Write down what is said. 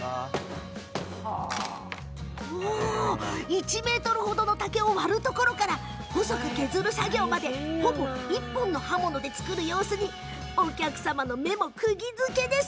１ｍ程の竹を割るところから細く削る作業までほぼ１本の刃物で作る様子にお客様の目もくぎづけ！